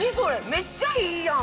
めっちゃいいやん！